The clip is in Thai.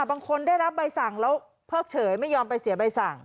บางคนได้รับใบสั่งแล้วเพิกเฉยไม่ยอมไปเสียใบสั่ง